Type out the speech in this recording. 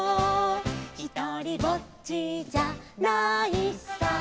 「ひとりぼっちじゃないさ」